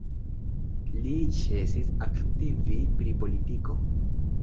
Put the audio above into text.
Li ĉesis aktivi pri politiko.